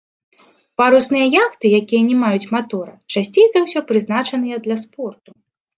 Парусныя яхты, якія не маюць матора, часцей за ўсё прызначаныя для спорту.